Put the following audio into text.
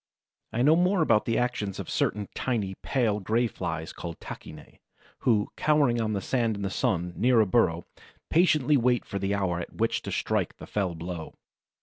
I know more about the actions of certain tiny, pale gray Flies, called Tachinæ, who, cowering on the sand in the sun, near a burrow, patiently wait for the hour at which to strike the fell blow.